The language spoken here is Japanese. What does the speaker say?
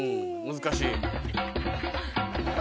難しい。